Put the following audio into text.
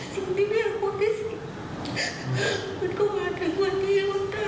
สิ่งที่เมียลองคุกให้เสีย